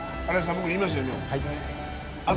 僕言いましたよね。